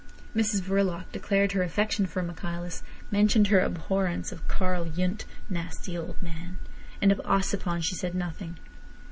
Mrs Verloc declared her affection for Michaelis; mentioned her abhorrence of Karl Yundt, "nasty old man"; and of Ossipon she said nothing.